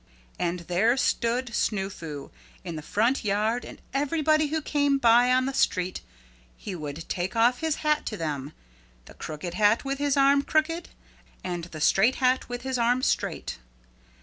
And there stood Snoo Foo in the front yard and everybody who came by on the street, he would take off his hat to them, the crooked hat with his arm crooked and the straight hat with his arm straight.